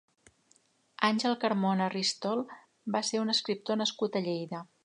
Àngel Carmona Ristol va ser un escriptor nascut a Lleida.